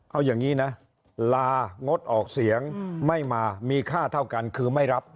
เอาอย่างนี้นะลางดออกเสียงไม่มามีค่าเท่ากันคือไม่รับ